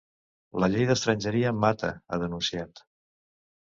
La llei d’estrangeria mata, ha denunciat.